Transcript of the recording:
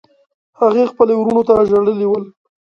هغې خپلو وروڼو ته ژړلي ول.